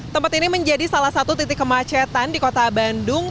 tempat ini menjadi salah satu titik kemacetan di kota bandung